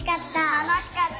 たのしかった。